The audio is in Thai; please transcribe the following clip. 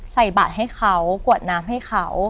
ใส่บัตรให้เขากวดน้ำให้เขา